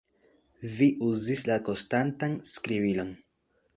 Vi uzis la konstantan skribilon!